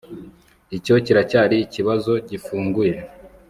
icyo kiracyari ikibazo gifunguye